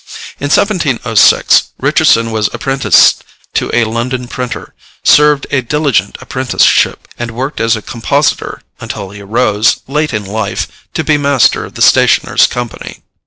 In 1706 Richardson was apprenticed to a London printer, served a diligent apprenticeship, and worked as a compositor until he rose, late in life, to be master of the Stationers' Company.